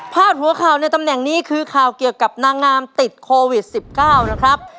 หัวข่าวในตำแหน่งนี้คือข่าวเกี่ยวกับนางงามติดโควิด๑๙นะครับ